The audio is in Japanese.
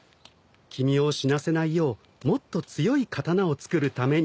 君を死なせないようもっと強い刀を作るために。